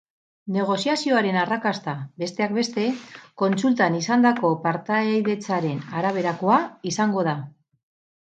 Negoziazioaren arrakasta, besteak beste, kontsultan izandako partaidetzaren araberakoa izango da.